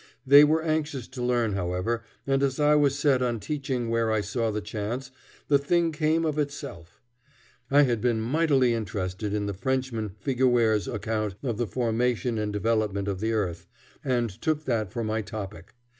They were anxious to learn, however, and as I was set on teaching where I saw the chance, the thing came of itself. I had been mightily interested in the Frenchman Figuier's account of the formation and development of the earth, and took that for my topic.